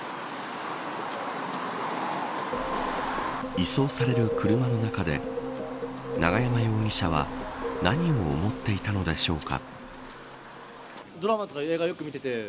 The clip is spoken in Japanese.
移送される車の中で永山容疑者は何を思っていたのでしょうか。